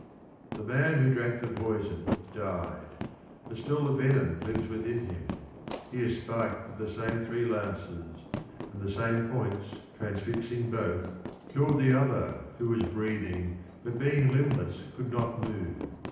The man who drank the poison, died, but still the venom lives within him. He is spiked with the same three lances, and the same points transfixing both, 30 killed the other who was breathing, but being limbless could not move.